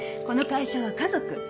この会社は家族。